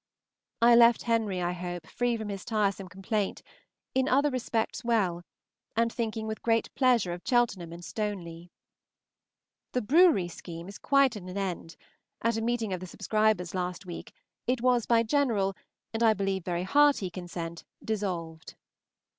I left Henry, I hope, free from his tiresome complaint, in other respects well, and thinking with great pleasure of Cheltenham and Stoneleigh. The brewery scheme is quite at an end: at a meeting of the subscribers last week it was by general, and I believe very hearty, consent dissolved.